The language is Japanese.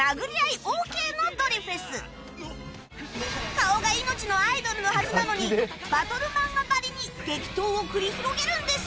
顔が命のアイドルのはずなのにバトル漫画ばりに激闘を繰り広げるんです